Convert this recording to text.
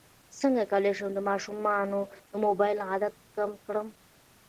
څنګه کولی شم د ماشومانو د موبایل عادت کم کړم